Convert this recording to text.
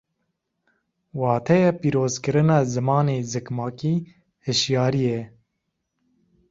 Wateya pîrozkirina zimanê zikmakî hîşyarî ye